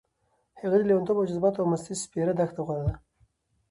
هغه د لېونتوب او جذباتو او مستۍ سپېره دښته غوره ده.